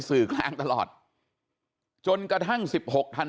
สู่ช่องสิบห่าคน